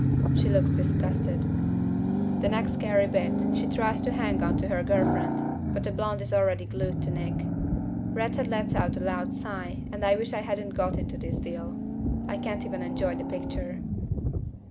She looks disgusted. The next scary bit, she tries to hang onto her girl friend, but the blonde is already glued onto Nick. Redhead lets out a loud sigh, and I wish I hadn't ever got into this deal. I can't even enjoy the picture.